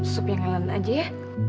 sup yang elen aja ya